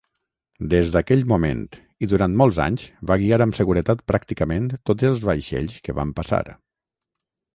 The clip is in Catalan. Des d'aquell moment i durant molts anys, va guiar amb seguretat pràcticament tots els vaixells que van passar.